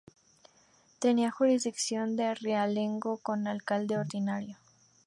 Tenía jurisdicción de realengo con alcalde ordinario.